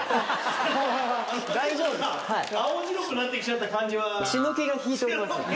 青白くなってきちゃった感じは。